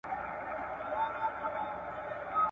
په کورنۍ کې د چا سپکاوی نه منل کېږي.